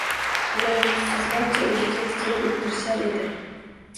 Ular yuzsizlarcha o`ziga tikilib o`tirishar edi